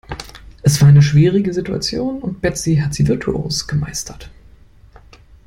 Es war eine schwierige Situation und Betsy hat sie virtuos gemeistert.